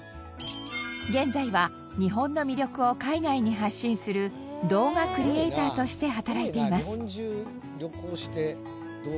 現在は日本の魅力を海外に発信する動画クリエーターとして働いています。